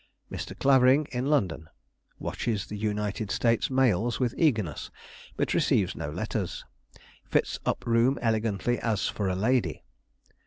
_ Mr. Clavering in London; watches the United States mails with eagerness, but receives no letters. Fits up room elegantly, as for a lady.